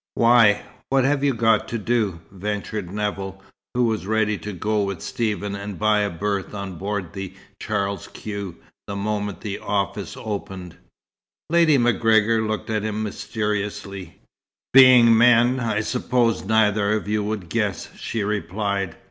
"Why, what have you got to do?" ventured Nevill, who was ready to go with Stephen and buy a berth on board the Charles Quex the moment the office opened. Lady MacGregor looked at him mysteriously. "Being men, I suppose neither of you would guess," she replied.